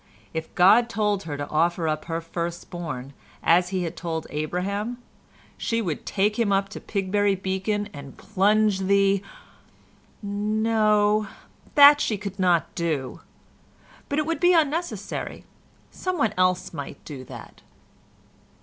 If God told her to offer up her first born, as He had told Abraham, she would take him up to Pigbury Beacon and plunge the—no, that she could not do, but it would be unnecessary—some one else might do that.